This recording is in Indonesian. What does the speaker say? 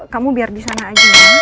kamu biar disana aja ya